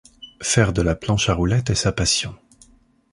Faire de la planche à roulettes est sa passion.